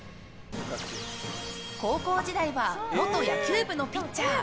高校時代は元野球部のピッチャー。